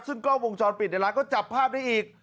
ซึ่งกล้องวงจรปิดในร้านก็จับภาพได้อีก